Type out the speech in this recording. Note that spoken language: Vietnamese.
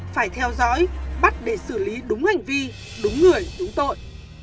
phải theo dõi bắt để xử lý đúng hành vi đúng người đúng tội